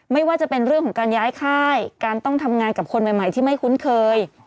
ไม่ว่าจะเป็นเรื่องของการย้ายค่ายการต้องทำงานกับคนใหม่ที่ไม่คุ้นเคย